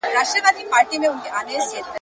د نېكيو او بديو بنياد څه دئ ,